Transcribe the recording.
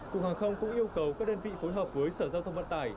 cục hàng không cũng yêu cầu các đơn vị phối hợp với sở giao thông vận tải